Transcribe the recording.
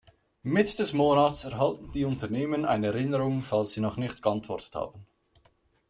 Mitte des Monats erhalten die Unternehmen eine Erinnerung, falls sie noch nicht geantwortet haben.